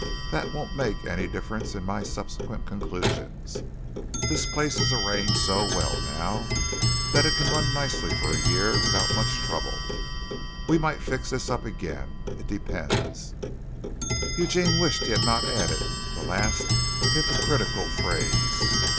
That won't make any difference in my subsequent conclusions. This place is arranged so well now, that it can run nicely for a year without much trouble. We might fix this up again it depends " Eugene wished he had not added the last hypocritical phrase.